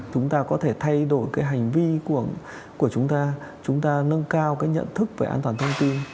chúng ta có thể thay đổi cái hành vi của chúng ta chúng ta nâng cao cái nhận thức về an toàn thông tin